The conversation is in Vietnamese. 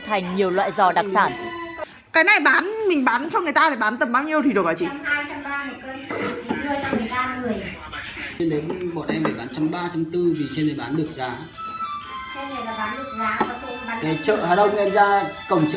hãy để lại bình luận và hãy đăng ký kênh của mình nhé